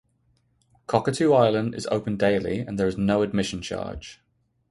Cockatoo Island is open daily and there is no admission charge.